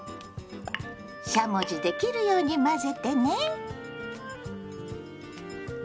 しゃもじで切るように混ぜてね。